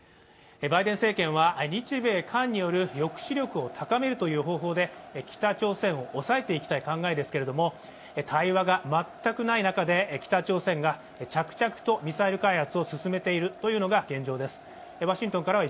バイデン政権は日米韓による抑止力を高めるという方向で北朝鮮を抑えていきたいわけですが対話が全くない中で北朝鮮が着々とミサイル開発を進めているというのが現状です。